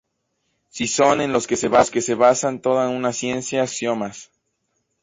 Si son en los que se basa toda una ciencia son los axiomas.